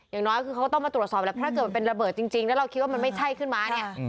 อย่างน้อยคือเขาก็ต้องมาตรวจสอบแล้วถ้าเกิดมันเป็นระเบิดจริงแล้วเราคิดว่ามันไม่ใช่ขึ้นมาเนี่ย